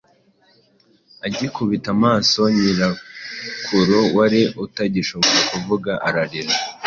Agikubita amaso nyirakuru wari utagishobora kuvuga ararira